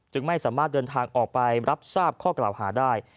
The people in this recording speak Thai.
ไม่สามารถเดินทางออกไปรับทราบข้อกล่าวหาได้